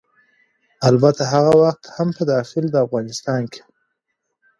البته هغه وخت هم په داخل د افغانستان کې